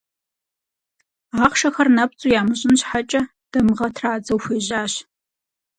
Ахъшэхэр нэпцӏу ямыщӏын щхьэкӏэ, дамыгъэ традзэу хуежьащ.